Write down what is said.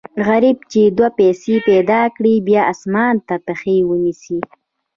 غریب چې دوې پیسې پیدا کړي، بیا اسمان ته پښې و نیسي.